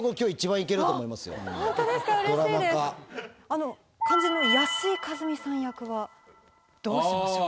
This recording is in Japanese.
あの肝心の安井かずみさん役はどうしましょう？